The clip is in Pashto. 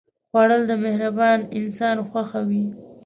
خوړل د مهربان انسان خوښه وي